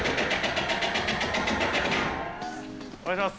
お願いします。